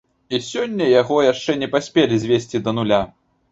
І сёння яго яшчэ не паспелі звесці да нуля.